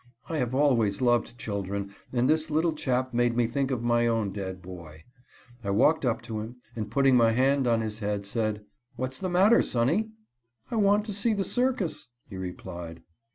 I have always loved children, and this little chap made me think of my own dead boy. I walked up to him, and putting my hand on his head, said: "What's the matter, sonny?" "I want to see the circus," he replied.